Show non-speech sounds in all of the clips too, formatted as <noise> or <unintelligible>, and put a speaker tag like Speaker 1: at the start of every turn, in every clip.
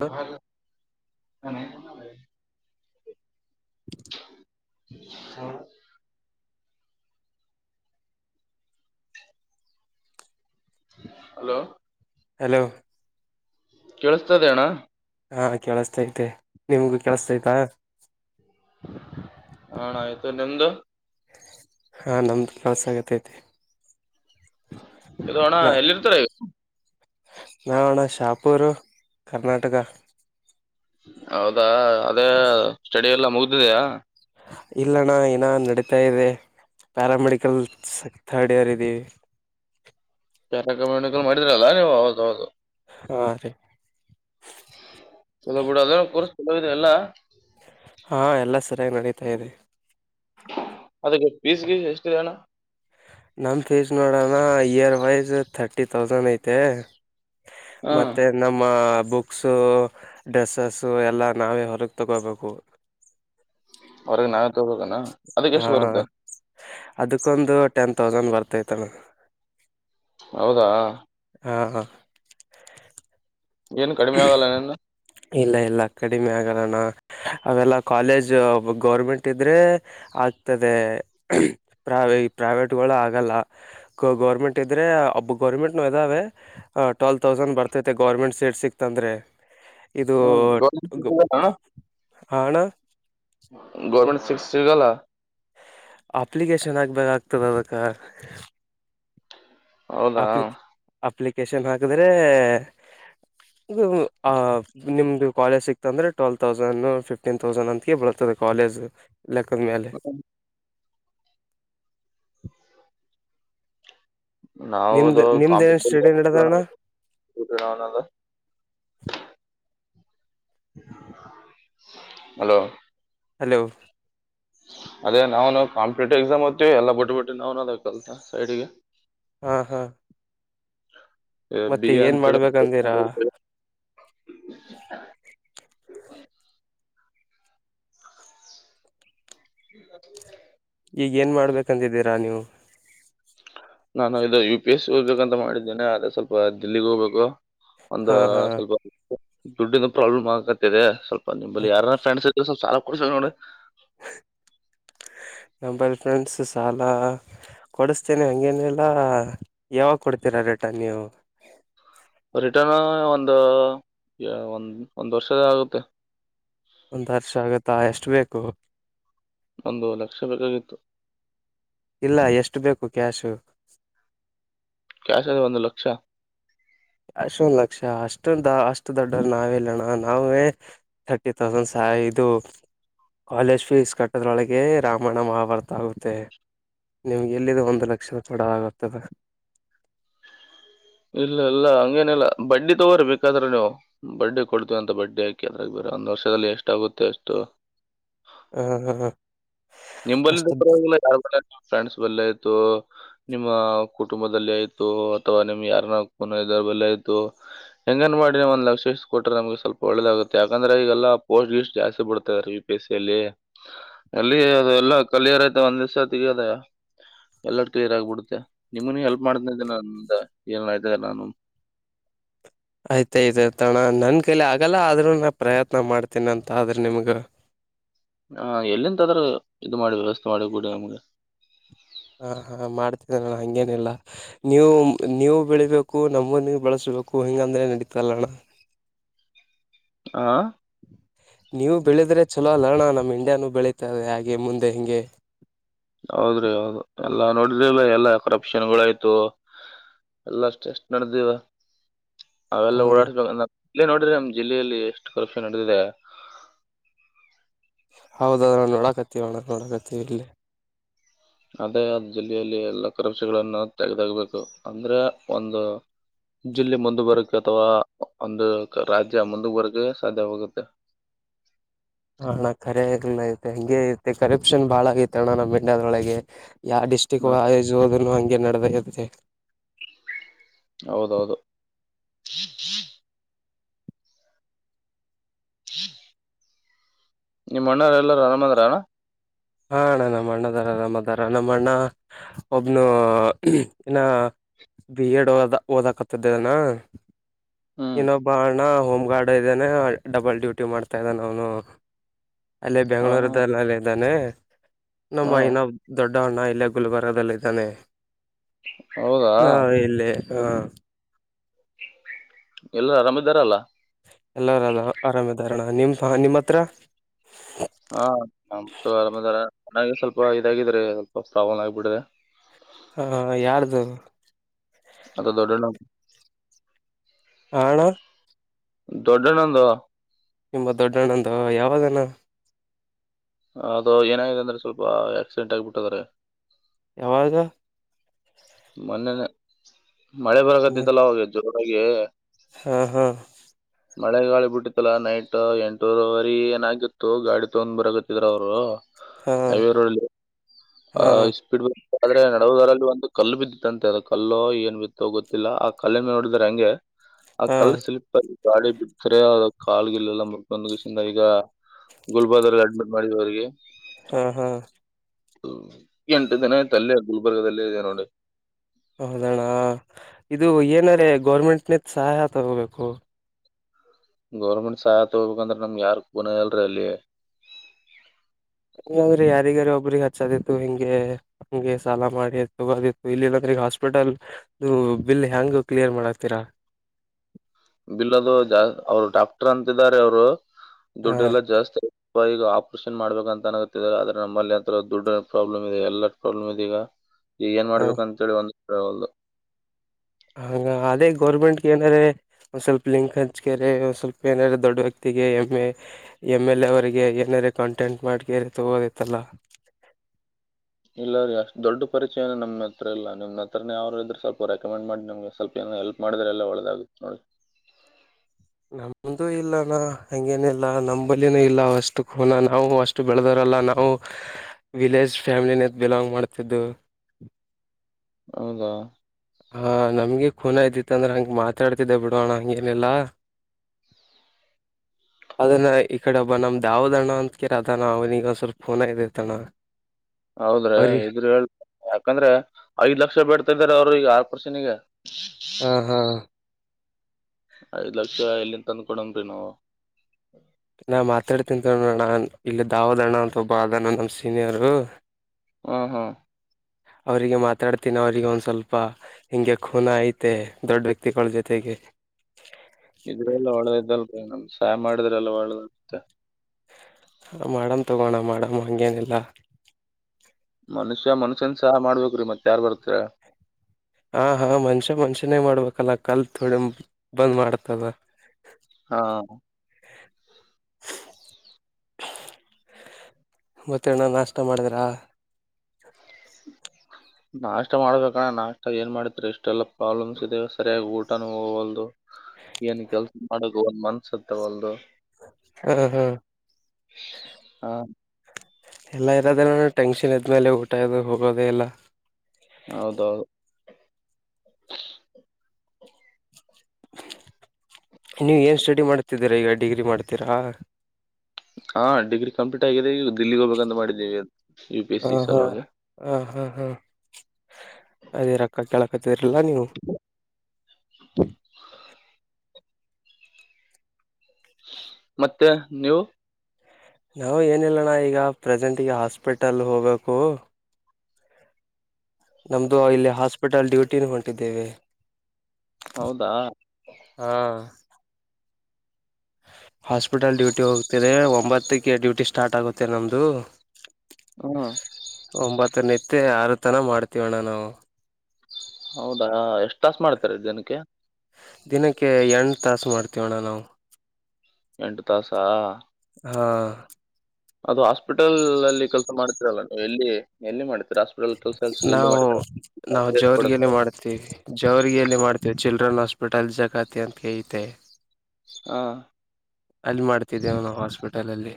Speaker 1: <unintelligible>
Speaker 2: <inaudible>
Speaker 1: ಹ <inaudible> hello
Speaker 2: hello
Speaker 1: ಕೇಳಿಸತದೆ ಅಣ್ಣ
Speaker 2: ಹಾ ಕೇಳಸ್ತತೆ ನಿಮಗೂ ಕೆೇಳಸ್ತತಾ
Speaker 1: ಹ ಆಯ್ತು ನಿಂದು
Speaker 2: ಹಾಂ ನಮ್ಮದುು ಲಾಸ್ ಆಗತ್ತತೆ
Speaker 1: ಇದು ಹಣ ಎಲ್ಲಿ ಇರ್ತಾರೆ
Speaker 2: ನಾವುಣ್ಣ ಶಾಪೂರು ಕರ್ನಾಟಕ
Speaker 1: ಹೌದಾ ಅದೇ ಸ್ಟಡಿ ಎಲ್ಲ ಮುಗ್ದಿದಯಾ
Speaker 2: ಇಲ್ಲಣ್ಣ ಏನ ನಡೀತಾ ಇದೆ ಪ್ಯಾರಾಮೆಡಿಕಲ್ ಥರ್ಡ್ ಇಯರ್ ಇದ್ದೀವಿ
Speaker 1: ಯಾರ ಕಮ್ಯಗಳು ಮಾಡಿದ್ರಲ್ಲ ನೀವು ಹೌದ ಹೌದು
Speaker 2: ಹಾ ರೀ
Speaker 1: ಚಲ ಬಿಡಡು ಅದರಿಸಲವಿದೆ ಎಲ್ಲ
Speaker 2: ಹಾಂ ಎಲ್ಲ ಸರಿಯಾಗಿ ನಡೀತಾಯ ಇದೆ
Speaker 1: ಅದಕ್ಕೆ ಪೀಸ್ ಗೀಸ್ ಎಷ್ಟು ಜನ
Speaker 2: ನಮ್ಮ ಫೀಸ್ ನೋಡೋಣ ಇಯರ್ ವೈಸ್ ಥರ್ಟಿ ತೌಸಂಡ್ ಐತೆ
Speaker 1: ಹ್ಮ್
Speaker 2: ಮತ್ತೆ ನಮ್ಮ ಬುಕ್ಸು ಡ್ರೆಸ್ಸಸ್ಸು ಎಲ್ಲ ನಾವೇ ಹೊರಗೆ ತಗೋಬೇಕು
Speaker 1: ಅವರಗ ನ
Speaker 2: ಹಾ ಅದಕ್ಕೊಂದು ಟೆನ್ ತೌಸಂಡ್ ಬರ್ತೈತಣ್ಣ
Speaker 1: ಹೌದಾ
Speaker 2: ಹ ಹ
Speaker 1: ಏನ್ ಕಡಿಮೆ ಆಗಲ್ಲ
Speaker 2: ಹಾ
Speaker 1: ನಿನ್ನ
Speaker 2: ಇಲ್ಲ ಇಲ್ಲ ಕಡಿಮೆ ಆಗಲ್ಲೋಣ ಅವೆಲ್ಲ ಕಾಲೇಜ್ ಗೌರ್ಮೆಂಟ್ ಇದ್ರೆ ಆಗ್ತದೆ ಪ್ರ ಪ್ರವೇಟ್ಗಳು ಆಗಲ್ಲ ಗರ್ಮೆಂಟ್ ಇದ್ರೆ ಒಬ್ಬ ಗೌರ್ಮೆಂಟ್ ಇದಾವೆ ಟ್ವಲ್ತೌಸಂಡ್ ಬರ್ತೈತೆ ಗೌರ್ಮೆಂಟ್ ಸೀಟ್ ಸಿಕ ತಂದರೆೆ
Speaker 1: ಹ್ಮ ಗ <unintelligible>
Speaker 2: ಹಣ
Speaker 1: ಗೋರ್ಮೆಂಟ್ ಸಿಟ್ ಸಿಗಲ್ಲ
Speaker 2: ಅಪ್ಲಿಕೇಶನ್ ಅಕ್ಬೇಕಾಗ್ತದ ಅದಕ್ಕೆ
Speaker 1: ಹೌದಾ
Speaker 2: ಅಪ್ಲಿಕ ಅಪ್ಲಿಕೇಶನ್ ಹಾಕಿದ್ರೆ ಆ ನಿಮ್ದು ಕಾಲೇಜ್ ಸಿಕ್ ಅಂದ್ರೆ ಟ್ವೆಲ್ ತೌಸಂಡ್ ಫಿಫ್ಟೀನ್ ತೌಸಂಡ್ ಅಂತಕ ಬತ್ತದೆ ಕಾಲೇಜ್ ಲೆಕ್ಕದ ಮೇಲೆ
Speaker 1: ಹ್ಮ
Speaker 2: ನಿಮ್ದು
Speaker 1: ನಾವವುದುಾ
Speaker 2: ನಿಮ್ದು ಏನು ಸ್ಟಡಿ ನಡ್ದದ ಅಣ್ಣ
Speaker 1: ಹಲೋ
Speaker 2: ಹಲೋ
Speaker 1: ಅದೇ ನಾವನು ಕಂಪಿಟೇಟಿವ್ ಎಕ್ಸಾಮ್ ಹ್ ಎಲ್ಲ ಬಿಟ್ಬ ಬಿಟ್ಟ ನ್ನು ಅದ ಕಲ್ತಾ ಸೈಡ್ಗೆ
Speaker 2: ಹಾ ಹಾ ಮತ್ತೆ ಏನ್
Speaker 1: ಬಿಜಂತ
Speaker 2: ಮಾಡ್ಬೇಕಂದಿರಾ
Speaker 1: ಹ್ಮ
Speaker 2: ಈಗ ಏನ್ ಮಾಡ್ಬೇಕಂತಿದ್ದೀರಾ ನೀವು
Speaker 1: ನಾನು ಇದು ಯು ಪಿ ಎಸ್ ಹೋಗ್ಬೇಕಂತ ಮಾಡಿದ್ದೇನೆ ಆದ್ರೆ ಸ್ವಲ್ಪ ದಿಲ್ಲಿಗ್ ಹೋಗ್ಬೇಕು ಒಂದ
Speaker 2: ಹಾ ಹಾ
Speaker 1: ಸ್ವಲ್ಪ ದುಡ್ಡಿನ ಪ್ರಾಬ್ಲಮ್ ಆಕತ್ತಿದೆ ಸ್ವಲ್ಪ ನಿಮಲ್ಲಿ ಯಾರ ಫ್ರೆಂಡ್ಸ್ ಸ್ವಲ್ಪ್ ಸಾಲ ಕೊಡ್ಸೊ ನೋಡಿ.
Speaker 2: ನಮ್ ಬ ಫ್ರೆಂಡ್ಸ್ ಸಾಲ. ಕೊಡಿಸ್ತೇನೆ ಹಂಗೇನಿಲ್ಲ ಯಾವಾಗ ಕೊಡ್ತೀರಾ ರಿಟರ್ನ್ ನೀವು?
Speaker 1: ರಿಟರ್ನ್ ಒಂದು ಒಂದ್ ವರ್ಷ ಆಗುತ್ತೆ.
Speaker 2: ಒಂದ್ ವರ್ಷ ಆಗತ್ತಾ ಎಷ್ಟ್ ಬೇಕು?
Speaker 1: ಒಂದು ಲಕ್ಷ ಬೇಕಾಗಿತ್ತು.
Speaker 2: ಇಲ್ಲ ಎಷ್ಟು ಬೇಕು ಕ್ಯಾಶು?
Speaker 1: ಕ್ಯಾಶ್ ಅದೆ ಒಂದು ಲಕ್ಷ.
Speaker 2: ಅಷ್ಟ ಒಂದು ಲಕ್ಷ ಅಷ್ಟೊಂದಾ ಅಷ್ಟ ದೊಡ್ಡ ನಾವೆಲ್ಲಣ ನಾವೇ ತರ್ಟಿ ತೌಸಂಡ್ ಸಹ ಇದು ಕಾಲೇಜ್ ಫೀಸ್ ಕಟ್ಟೋದ್ರೊಳಗೆ ರಾಮಾಯ್ಣ ಮಹಾಭಾರತ ಆಗುತ್ತೆ. ನಿಮ್ಗೆ ಎಲ್ಲಿದ್ದ ಒಂದು ಲಕ್ಷ ಕೊಡಕಾಗತ್ತೆ.
Speaker 1: ಇಲ್ಲ ಇಲ್ಲ ಹಂಗೇನಿಲ್ಲ ಬಡ್ಡಿ ತಗೋರಿ ಬೇಕಾದ್ರ ನೀವು. ಬಡ್ಡಿ ಕೊಡ್ತವಿ ಅಂತ ಬಡ್ಡಿ ಆಕಿದ್ರೆ ಬೇರೆ ಒಂದ್ ವರ್ಷದಲ್ಲಿ ಎಷ್ಟ್ ಆಗುತ್ತೆ ಅಷ್ಟು.
Speaker 2: ಹ್ಮ್ ಹ್ಮ
Speaker 1: ನಿಮ್ಲಿಲ್ಲ ಪರ್ವಾಗಿಲ್ಲ ಯಾರ್ ಕಡೆಯಾದ್ರು ಆಯ್ ಫ್ರೆಂಡ್ಸ್ ಬಳ್ ಆಯ್ತು. ನಿಮ್ಮ ಕುಟುಂಬದಲ್ಲಿ ಆಯ್ತು ಅಥವಾ ನಿಮ್ ಯಾರನ್ನ <unintelligible> ಬಲ್ಲ ಆಯ್ತು. ಹೆಂಗಾನ್ ಮಾಡಿ ಒಂದ್ ಲಕ್ಷ ಈಸ್ ಕೊಟ್ರೆ ನಮ್ಗೆ ಸ್ವಲ್ ಒಳ್ಳದಾಗುತ್ತೆ ಯಕಂದ್ರೆ ಈಗಲ್ಲ ಪೋಸ್ ಗೀಸ್ಟ್ ಜಾಸ್ತಿ ಬಿಳ್ತದ ರಿ. ಬಿಸ್ಲಲ್ಲಿ ಅಲ್ಲಿ ಅದು ಎಲ್ಲ ಕಲಿಯರೖತ ಒಂದ್ ದಿವ್ಸ ತೆಗಿಯೋದ. ಎಲ್ಲರ ಕ್ಲಿಯರ್ ಆಗ್ಬಿಡುತ್ತೆ ನಿಮನ್ನು ಹೆಲ್ಪ್ ಮಾಡ್ತನ ಆಂತ ಏನ್ ಆ್ತ ನಾನು.
Speaker 2: ಆಯ್ತಯ್ತೆ ತಣ ನನ್ನ ಕೈಲಿ ಆಗಲ್ಲ ಆದ್ರೂ ನಾ ಪ್ರಯತ್ನ ಮಾಡ್ತೀನ ಅಂತ ಆದ್ರೆ ನಿಮ್ಗ
Speaker 1: ಹ ಎಲ್ಲಿಂತಾದ್ರೂ ಇದು ಮಾಡಿ ವ್ಯವಸ್ಥೆ ಮಾಡಿ ಕೂಡಿ ನಮ್ಗೆ.
Speaker 2: ಹ ಹಾ ಮಾಡ್ತಿನೆ ನಾನು ಹಂಗೇನಿಲ್ಲ. ನೀವು ನೀವು ಬೆಳೀಬೇಕು ನಮ್ಮನ್ ನೀವ್ ಬಳಸ್ಬೇಕು ಹಿಂಗ ಅಂದ್ರೆ ನಡೀತ ಅಲ್ಲ ಅಣ್ಣ.
Speaker 1: ಹಾ
Speaker 2: ನೀವು ಬೆಳದ್ರೆ ಚಲೋ ಅಲ್ಲರ್ಣ ನಮ್ ಇಂಡಿಯಾನು ಬೆಳತದೆ ಹಾಗೆ ಮುಂದೆ ಹಿಂಗೆ.
Speaker 1: ಹೌದ್ರಿ ಹೌದು ಎಲ್ಲಾ ನೋಡ್ರಿಲ್ಲ ಎಲ್ಲಾ ಕರಪ್ಷನ್ಗಳೆ ಆಯ್ತು. ಎಲ್ಲಷ್ಟ ಟೆಷ್ಟ ನಡ್ದಿವ. ಅವೆಲ್ಲ
Speaker 2: ಹೌದು
Speaker 1: ಓಡಾಡ್ಬೇಕ ಇಲ್ಲೇ ನೋಡ್ರಿ ನಮ್ ಜಿಲ್ಲೆಯಲ್ಲಿ ಎಷ್ಟು ಕರಪ್ಷನ್ ನಡೆದಿದೆ.
Speaker 2: ಹೌದ ಅಣ ನೋಡಕತ್ತೀವ ಅಣ ನೋಡಕತ್ತೀವಿ ಇಲ್ಲಿ.
Speaker 1: ಅದೇ ಆ ಜಿಲ್ಲೆಯಲ್ಲಿ ಎಲ್ಲಾ ಕರಪ್ಷನ್ಗಳನ್ನ ತೆಗೆದಾಗಬೇಕು ಅಂದ್ರೆ ಒಂದು ಜಿಲ್ಲೆ ಮುಂದ್ ಬರಕ್ ಅಥವಾ ಒಂದು ರಾಜ್ಯ ಮುಂದ್ ಬರಕ ಸಾಧ್ಯವಾಗುತ್ತೆ.
Speaker 2: ಹಾ ಅಣ್ಣ ಕರೆ ಐತೆ ಹಂಗೆ ಐತೆ ಕರಪ್ಷನ್ ಬಾಳ ಆಗೈತೆ ಅಣ್ಣ ನಮ್ಮ ಇಂಡಿಯ್ದೊಳಗೆ ಯಾವ್ ಡಿಷ್ ಕಿವ
Speaker 1: ಹಾ,
Speaker 2: ಆಯಜುವದನ್ನು ಹಾಂಗೆ ನಡೆದ ಇರುತ್ತೆ.
Speaker 1: ಹೌದೌದು ಹ್ಮ್ ನಿಮ್ಮ ಅಣ್ಣರ ಎಲ್ಲರ ಅರಾಮದರೇನ?
Speaker 2: ಹಾ ಅಣ್ಣ ನಮ್ಮ ಅಣ್ಣದಾರ ಆರಾಮದಾರ ನಮ್ಮ ಅಣ್ಣ ಒಬ್ನು ಇನ ಬಿ ಎಡ್ ಓದಕತಿದ್ದ ಅದನಾ.
Speaker 1: ಹ್ಮ್
Speaker 2: ಇನ್ನೊಬ್ಬ ಅಣ್ಣ ಹೋಮ್ ಗಾರ್ಡ್ ಇದಾನೆ ಡಬಲ್ ಡ್ಯೂಟಿ ಮಾಡ್ತಾ ಇದ್ದನ ಅವನು. ಅಲ್ಲೇ
Speaker 1: ಹಾ ಹಾ
Speaker 2: ಬೆಂಗ್ಳೂರ್ದನ ಇದ್ದಾನೆ
Speaker 1: ಹಾ
Speaker 2: ನಮ್ಮ ಇನೊಬ್ ದೊಡ್ಡ ಅಣ್ಣ ಇಲ್ಲೇ ಗುಲ್ಬರ್ಗದಲ್ಲೇ ಇದ್ದಾನೆ
Speaker 1: ಹೌದಾ
Speaker 2: ನಾ ಇಲ್ಲಿ ಹ
Speaker 1: ಎಲ್ಲ ಆರಾಮಿದ್ದಾರಲ್ಲ.
Speaker 2: ಎಲ್ಲರ ಅದ ಆರಾಮಿದ್ದಾರಣ್ಣ ನಿಮ್ ನಿಮ್ಮ ಹತ್ರ
Speaker 1: ಹಾ ನಮ್ತಾವ್ ಆರಾಮದಾರ ಹಾಗೆ ಸ್ವಲ್ಪ ಇದಾಗಿದ್ರೆ ಸ್ವಲ್ಪ ಪ್ರಾಬ್ಲಮ್ ಆಗ್ಬಿಟ್ಟದೆ.
Speaker 2: ಹಾ ಯಾರ್ದು
Speaker 1: ಅದು ದೊಡ್ಡಣ್ಣ
Speaker 2: ಆಣ
Speaker 1: ದೊಡ್ಡಣ್ಣಂದ
Speaker 2: ನಿಮ ದೊಡ್ಡಣ್ಣಂದ ಯಾವಗಣ
Speaker 1: ಅದು ಏನಾಗಿದೆ ಅಂದ್ರೆ ಸ್ವಲ್ಪ ಆಕ್ಸಿಡೆಂಟ್ ಆಗಿ ಬಿಟ್ಟದ ರೀ
Speaker 2: ಯಾವಾಗ
Speaker 1: ಮೊನ್ನೆನೇ ಮಳೆ ಬರಕತ್ತತ್ತಲ್ಲ ಅವಾಗ್ ಜೋರಾಗಿ
Speaker 2: ಹಾಂ ಹಾಂ
Speaker 1: <inaudible> ಮಳೆ ಗಾಳಿ ಬಿಟ್ಟಿತ್ತಲಾ ನೈಟ್ ಎಂಟೂವರಿ ಏನಾಗಿತ್ತು ಗಾಡಿ ತಗೊಂಡ್ ಬರಕತ್ತಿದ್ರ ಅವ್ರು
Speaker 2: ಹಾ
Speaker 1: ಹೈವೇ ರೋಡ್ ಅಲ್ಲಿ
Speaker 2: ಹಾ
Speaker 1: ಸ್ಪೀಡ್ ಬ ಆದ್ರೆ ನಡುವದರಲ್ಲಿ ಒಂದು ಕಲ್ಲು ಬಿದ್ದಿತ್ತಂತೆ ಅದ ಕಲ್ಲು ಏನ್ ಬಿತ್ತೋ ಗೊತ್ತಿಲ್ಲ ಆ ಕಲ್ಲಿ ಮೇಲೆ ನೋಡಿದ್ರ ಹಂಗೆ ಆ
Speaker 2: ಹಾ
Speaker 1: ಕಲ್ಲ ಸ್ಲೀಪ್ಗಿ ಗಾಡಿ ಬಿದ್ದರೆ ಅ ಕಾಲು ಗಿಲ್ಲೆಲ್ಲಾ ಮೂರ್ಖದ ಗಷಿಂದ ಈಗ ಗುಲ್ಬಾದರ್ಗೆ ಅಡ್ಮಿಟ್ ಮಾಡಿದ ಅವರಿಗೆ
Speaker 2: ಹಾ ಹಾ
Speaker 1: ಎಂಟು ದಿನ ಆಯತ ಅಲ್ಲೇ ಗುಲ್ಬರ್ಗದಲ್ಲೇ ಅದೇವಿ ನೋಡಿ
Speaker 2: ಹೌದಣ ಇದು ಏನಾರ ಗೌರ್ಮೆಂಟ್ನ ಲಿಂತ್ ಸಹಾಯ ತಗೋಬೇಕು.
Speaker 1: ಗೌರ್ಮೆಂಟ್ ಸಹಾಯ ತಗ್ಬೇಕುಂದ್ರೆ ನಮ್ಗೆ ಯಾರು ಗುನ ಇಲ್ರರಿ ಅಲ್ಲಿ.
Speaker 2: ಇಂಗ್ರೀ ಯಾರಿಗಾರ ಒಬ್ರಗ್ ಹಚ್ಚದಿತ್ತು ಹಿಂಗೆ ಹಂಗೆ ಸಾಲ ಮಾಡಿತ್ತುಗೋದಿತ್ತು ಇಲ್ಲಿಲ್ಲಾಂದ್ರ ಈಗ ಹಾಸ್ಪಿಟಲ್ ಇದು ಬಿಲ್ ಹೆಂಗ ಕ್ಲಿಯರ್ ಮಾಡತ್ತಿರಾ.
Speaker 1: ಬಿಲ್ಲದು ಜಾ ಅವ್ರು ಡಾಕ್ಟರ್ ಅಂತಿದ್ದಾರೆ ಅವರು ದುಡ್ಡೆ ಎಲ್ಲಾ ಜಾಸ್ತಿ ಆ ಕೊಯದ ಆಪರೇಷನ್ ಮಾಡ್ಬೇಕ ಅಂತ ಅನಗತ್ತಿದಿದ್ದಾರೆ ಆದ್ರೆ ನಮ್ಮಲ್ಲಿ ಯಂತ್ರ ದುಡ್ಡ ಪ್ರಾಬ್ಲಮ್ ಇದೆ ಎಲ್ಲ ಪ್ರಾಬ್ಲಮ್ ಇದೆ ಈಗ ಈಗ ಏನ್ ಮಾಡ್ಬೇಕಂತೇಳಿ ಒಂದು ತಿಳಿವಲ್ದು
Speaker 2: ಹಂಗ ಅದೇ ಗೌರ್ಮೆಂಟ್ಗೆ ಏನರೆ ಒಂದ್ ಸ್ವಲ್ಪ ಲಿಂಕ್ ಹಚ್ಕರೆ ಒಂದ್ ಸ್ವಲ್ಪ ಏನಾರ ದೊಡ್ಡ ವ್ಯಕ್ತಿಗೆ ಎಮ್ಮೆ ಎಮ್ ಎಲ್ ಎ ಅವರಿಗೆ ಏನಾರ ಕಾಂಟೆಂಟ್ ಮಾಡ್ಕರೆ ತಗೋದಿತ್ತಲ್ಲ
Speaker 1: ಇಲ್ಲ ರೀ ಅಷ್ಟು ದೊಡ್ ಪರಿಚಯನ ನಮ್ಮ್ ಹತ್ರ ಇಲ್ಲ ನಿಮ್ ಹತ್ರನ ಯಾವರ ಇದ್ರ ಸ್ವಲ್ಪ ರೆಕಮೆಂಡ್ ಮಾಡಿ ನಮಗೆ ಸ್ವಲ್ಪ ಏನೋ ಹೆಲ್ಪ್ ಮಾಡಿದ್ರೆಲ್ಲ ಒಳ್ಳದಾಗುತ್ತೆ ನೋಡಿ.
Speaker 2: ನಮ್ದು ಇಲ್ಲಾನ ಹಂಗೇನ ಇಲ್ಲ ನಂಬಲ್ಲಿನೂ ಇಲ್ಲ ಅಷ್ಟು ಕೋನ ನಾವು ಅಷ್ಟು ಅಷ್ಟು ಬೆಳೆದಾರಲ್ಲ ನಾವು ವಿಲೇಜ್ ಫ್ಯಾಮಿಲಿನ ಬಿಲಾಂಗ್ ಮಾಡ್ತಿದ್ದುವ
Speaker 1: ಹೌದಾ
Speaker 2: ಹಾ ನಮ್ಗೆ ಖೂನ ಇದ್ತಿತ್ತಂದ್ರ ಹಂಗ ಮಾತಾಡ್ತಿದ್ದೆ ಬಿಡೋಣ ಹಂಗೇನಿಲ್ಲಾ. ಅದನ್ನ ಈ ಕಡೆ ಒಬ್ಬ ನಮ್ ದಾವದ ಅಣ್ಣ ಒಂದ್ ಕೇರ್ ಅದಾನ ಅವನಗ ಒಂದ ಸ್ವಲ್ಪ ಫೋನ ಇದಐತಣ್ಣ
Speaker 1: ಹೌದ್ರೆ ಇದರು ಹೇಳ್ ಯಾಕಂದ್ರೆ ಐದ್ ಲಕ್ಷ ಬೇಡ್ತಾದರ ಅವರು ಈಗ ಆಪರೇಷನ್ ಗೆ
Speaker 2: ಹಾ ಹಾ
Speaker 1: ಐದ್ ಲಕ್ಷ ಎಲ್ಲಿಂದ ತಂದ ಕೊಡನರಿ ನಾವು
Speaker 2: ನಾ ಮಾತಾಡತನ್ ತಗೋ ಅಣ್ಣ ಇಲ್ಲಿ ದಾವದಣ್ಣ ಅಂತ ಒಬ್ಬ ಅದಣ ನಮ್ಮ್ ಸೀನಿಯರು
Speaker 1: ಹಾ ಹಾ
Speaker 2: ಅವರಿಗೆ ಮಾತಾಡ್ತೀನಿ ಅವರಿಗೆ ಒಂದು ಸ್ವಲ್ಪ ಹಿಂಗೆ ಖೂನಾ ಐತೆ ದೊಡ್ಡ ವ್ಯಕ್ತಿಗಳ ಜೊತೆಗೆ
Speaker 1: ಇದ್ರೆಲ್ಲ ಒಳ್ಳೆದ್ದಲ್ರಿ ನಮ ಸಹಾಯ ಮಾಡಿದ್ರೆಲ್ಲ ಒಳ್ಳೆದಾಗುತ್ತೆ.
Speaker 2: ಮಾಡನ ತೊಗೋಣ ಮಾಡಮ್ ಹಂಗೇನಿಲ್ಲ.
Speaker 1: ಮನುಷ್ಯ ಮನುಷ್ಯನ್ ಸಹ ಮಾಡ್ಬೇಕೇರೀ ಮತ್ತ್ ಯಾರ್ ಬರ್ತ್.
Speaker 2: ಹ ಹಾ ಮನ್ಷೆ ಮನ್ಷ್ಯನೇ ಮಾಡ್ಬೇಕಲ್ಲ ಕಲ್ತ್ ಥೋಡಿ ಬಂದ್ ಮಾಡ್ತವ.
Speaker 1: ಹಾ
Speaker 2: ಮತ್ತ ಅಣ್ಣ ನಾಷ್ಟ ಮಾಡಿದ್ರ
Speaker 1: <inaudible> ನಾಷ್ಟ ಮಾಡ್ಬೇಕಣ ನಾಷ್ಟ ಏನ್ ಮಾಡಿದ್ರೆ ಇಷ್ಟೆಲ್ಲಾ ಪ್ರಾಬ್ಲಮ್ಸ್ ಇದೆ ಸರಿಯಾಗಿ ಊಟನೂ ಹೋಗಲ್ದು. ಏನ್ ಕೆಲ್ಸ ಮಾಡೋದು ಒಂದ್ ಮನ್ಸತ್ತ ಒಲ್ದು.
Speaker 2: ಹ್ಮ್ ಹ್ಮ್.
Speaker 1: ಹಾ
Speaker 2: ಎಲ್ಲ ಇರೋದ ನಾನು ಟೆನ್ಷನ್ ಇದ್ಮೇಲೆ ಊಟ ಇದು ಹೋಗೋದೆ ಇಲ್ಲಾ.
Speaker 1: ಹೌದೌದು
Speaker 2: ನೀವು ಏನು ಸ್ಟಡಿ ಮಾಡ್ತಿದ್ದೀರಾ ಈಗ ಡಿಗ್ರಿ ಮಾಡ್ತೀರಾ.
Speaker 1: ಹಾ ಡಿಗ್ರಿ ಕಂಪಲಿಟ್ ಆಗಿದೆ ಈಗ ದಿಲ್ಲಿಗೆ ಹೋಗ್ಬೇಕಂತ ಮಾಡಿದ್ದೀವಿ. ಯು ಪಿ ಎಸ್
Speaker 2: ಹಾ
Speaker 1: ಸಿ
Speaker 2: ಹಾ
Speaker 1: ಸಲುವಾಗಿ
Speaker 2: ಹ ಹಾ ಹಾ ಅದೇ ರೊಕ್ಕ ಕೇಳಕತ್ತರಲ್ಲ ನೀವು.
Speaker 1: ಹ ಮತ್ತೆ ನೀವು.
Speaker 2: ನಾವು ಏನಿಲ್ಲಣ್ಣ ಈಗ ಪ್ರೆಸೆಂಟಿಗೆ ಹಾಸ್ಪಿಟಲ್ ಹೋಗ್ಬೇಕು ನಮ್ದು ಇಲ್ಲಿ ಹಾಸ್ಪಿಟಲ್ ಡ್ಯೂಟಿನ ಹೊಂಟಿದ್ದೇವೆ.
Speaker 1: ಹೌದಾ
Speaker 2: ಹಾಂ ಹಾಸ್ಪಿಟಲ್ ಡ್ಯೂಟಿ ಹೋಗ್ತಿದೆ ಒಂಬತ್ತಕ್ಕೆ ಡ್ಯೂಟಿ ಸ್ಟಾರ್ಟ್ ಆಗುತ್ತೆ ನಮ್ಮದು.
Speaker 1: ಹ್ಮ
Speaker 2: ಒಂಬತ್ತು ನೆತ್ಯ ಆರು ತನ ಮಾಡ್ತೀವಣ್ಣ ನಾವು.
Speaker 1: ಹೌದಾ ಎಷ್ಟ್ ತಾಸು ಮಾಡ್ತಾರೆ ದಿನಕ್ಕೆ.
Speaker 2: ದಿನಕ್ಕೆ ಎಂಟು ತಾಸು ಮಾಡ್ತೀವ ಅಣ್ಣ ನಾವು.
Speaker 1: ಎಂಟುತಾಸ.
Speaker 2: ಹಾ
Speaker 1: ಅದು ಹಾಸ್ಪಿಟಲ್ ಅಲ್ಲಿ ಕೆಲಸ ಮಾಡ್ತಿರಲ್ಲ ನೀವು ಎಲ್ಲಿ ಎಲ್ಲಿ ಮಾಡ್ತಿರ.
Speaker 2: ನಾವು ನಾವು
Speaker 1: ಎಷ್ಟು
Speaker 2: ಜೋರಿಗೆನೆ
Speaker 1: ಕೊಡುತ್ತಾರೆ
Speaker 2: ಮಾಡವಿ ಜವರಿಗೆಗೆ ಎಲ್ಲಿ ಮಾಡ್ತೇವೆ ಚಿಲ್ಡ್ರನ್ ಹಾಸ್ಪಿಟಲ್ ಜಕಾತಿ ಅಂತ ಕತೆ.
Speaker 1: ಹ
Speaker 2: ಅಲ್ಲಿ ಮಾಡ್ತಿದ್ದೇವೆ ನಾವು ಹಾಸ್ಪಿಟಲ್ ಅಲ್ಲಿ.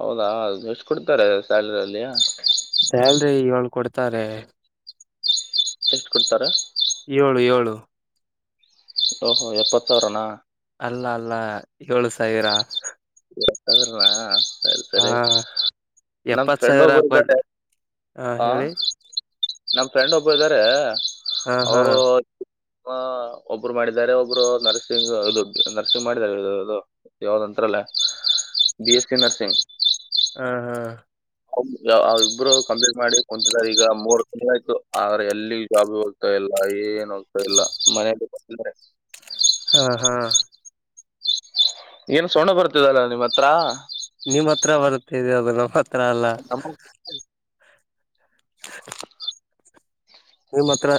Speaker 1: ಹೌದಾ ಅ ಎಷ್ಟು ಕೊಡ್ತಾರೆ ಸ್ಯಲ್ರಿಲ್ಲಿಯಲ್ಲಿ..
Speaker 2: ಸ್ಯಾಲ್ರಿ ಇವಾಗ ಕೊಡ್ತಾರೆ.
Speaker 1: ಎಷ್ಟು ಕೊಡ್ತಾರ.
Speaker 2: ಏಳು ಏಳು
Speaker 1: ಓಹೋ ಓಹೋ ಎಪ್ಪತ್ತಾಸಾವಿರಾಣ.
Speaker 2: ಅಲ್ಲ ಅಲ್ಲ ಏಳು ಸಾವಿರ.
Speaker 1: ಏಳುಸಾವಿರನಾ ಸರಿ
Speaker 2: ಹ
Speaker 1: ಸರಿ ನಮ ಫ್ರೆಂಡ್ ಒಬ್ಬರು ಇದ್ದಾರೆ
Speaker 2: ಹಾ ಹೇಳಿ.
Speaker 1: ನಮ್ಮ ಫ್ರೆಂಡ್ ಒಬ್ಬರ ಇದ್ದಾರೆ
Speaker 2: ಹಾ ಹಾ
Speaker 1: ಅವರು. ಒಬ್ರು ಮಾಡಿದಿದ್ದಾರೆ ಒಬ್ರು ನರ್ಸಿಂಗ ಅದು ನರ್ಸಿಂಗ್ ಮಾಡಿದಿದ್ದಾರೆ ಅದು. ಯಾವ್ದಂತ್ರಲ್ಲ ಬಿ ಎಸ್ ಸಿ ನರ್ಸಿಂಗ್.
Speaker 2: ಹಾ ಹಾ
Speaker 1: ಇಬ್ರು ಕಂಪೇರ್ ಮಾಡಿ ಕುಂತರ ಈಗ ಮೂರು ಚ ಆಯ್ತು ಆದ್ರೆ ಎಲ್ಲಿ ಜಾಬ್ ಹೋಗ್ತಾ ಇಲ್ಲ ಏನ್ ಹೋಗ್ತಾ ಇಲ್ಲ ಮನೆಯಲ್ಲಿ
Speaker 2: ಹಾ ಹಾ
Speaker 1: ಏನ್ ಸೋಣ್ಣ ಬರ್ತಿದಲ್ಲ ನಿಮ್ಮ ಹತ್ರ
Speaker 2: ನಿಮ್ ಹತ್ರ ಬರುತ್ತೆದೆ ಅದು ನಮ್ಮ್ ಹತ್ರ ಅಲ್ಲ
Speaker 1: ಹ
Speaker 2: ನಿಮ್ಮ ಹತ್ರ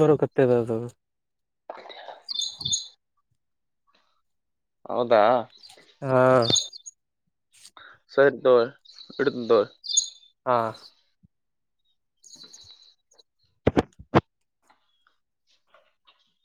Speaker 2: ಬರಕತ್ತದ ಅದು
Speaker 1: ಹ <unintelligible> ಹೌದಾ
Speaker 2: ಹಾ
Speaker 1: ಸಹಿದದ ಇಡದದ
Speaker 2: ಹಾ